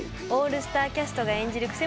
オールスターキャストが演じる